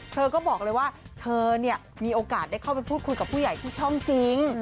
เธอก็บอกเลยว่าเธอเนี่ยมีโอกาสได้เข้าไปพูดคุยกับผู้ใหญ่ผู้ช่องจริง